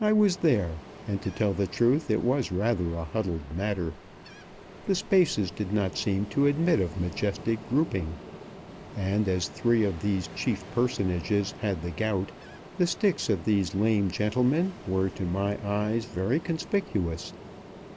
I was there, and to tell the truth, it was rather a huddled matter. The spaces did not seem to admit of majestic grouping, and as three of these chief personages had the gout, the sticks of these lame gentlemen were to my eyes very conspicuous.